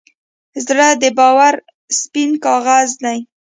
زړه د باور سپینه کاغذ دی.